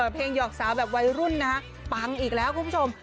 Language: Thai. หยอกสาวแบบวัยรุ่นนะฮะปังอีกแล้วคุณผู้ชม